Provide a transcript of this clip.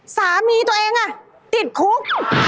สามีตัวเองติดคุก